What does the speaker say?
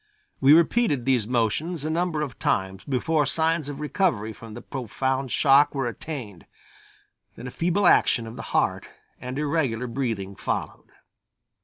We repeated these motions a number of times before signs of recovery from the profound shock were attained; then a feeble action of the heart and irregular breathing followed.